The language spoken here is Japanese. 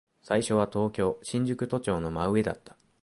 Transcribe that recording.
最初は東京、新宿都庁の真上だった。